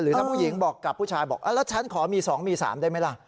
ถ้าผู้หญิงบอกกับผู้ชายบอกแล้วฉันขอมี๒มี๓ได้ไหมล่ะ